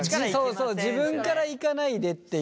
そうそう自分からいかないでっていう。